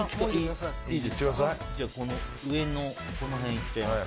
じゃあこの上のこの辺行っちゃいます。